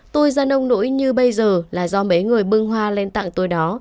tôi ra ông nỗi như bây giờ là do mấy người bưng hoa lên tặng tôi đó